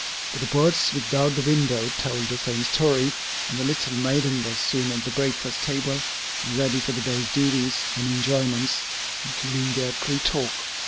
But the birds without the window told the same story, and the little maiden was soon at the breakfast table and ready for the day's duties and enjoyments, including their "tree talk."